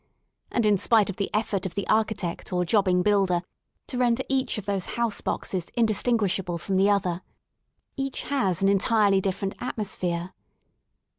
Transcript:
And, in spite of the effort of the architect or jobbing builder to render each of those house boxes indistinguishable from the other, each has [6g THE SOUL OF LONDON an entirely different atmosphere.